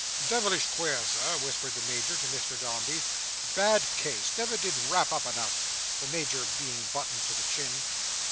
"Devilish queer, Sir," whispered the Major to Mr Dombey. "Bad case. Never did wrap up enough;" the Major being buttoned to the chin.